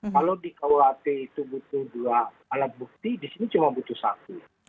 kalau di kwap itu butuh dua alat bukti disini cuma butuh satu